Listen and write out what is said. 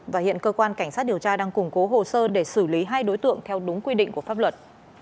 và hiện cơ quan cảnh sát điều tra đang củng cố hồ sơ để xử lý hai đối tượng theo đúng quy định của pháp luật